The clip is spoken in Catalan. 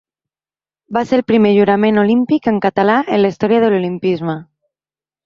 Va ser el primer jurament olímpic en català en la història de l'Olimpisme.